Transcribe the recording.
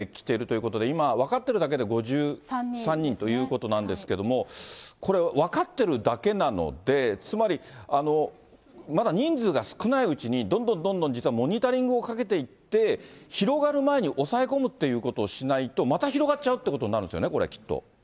これ、小林先生ね、今、インド型なども日本でだんだんだんだん、はやってきてるということで、今、分かってるだけで５３人ということなんですけども、これ、分かってるだけなので、つまりまだ人数が少ないうちに、どんどんどんどん実はモニタリングをかけていって、広がる前に抑え込むっていうことをしないと、また広がっちゃうってことになるんですよね、これ、きっと。